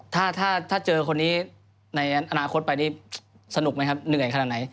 ถ้าถ้าเจอคนนี้ในอนาคตไปนี่สนุกไหมครับเหนื่อยขนาดไหน